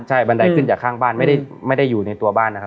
ใช่บันไดขึ้นจากข้างบ้านไม่ได้อยู่ในตัวบ้านนะครับ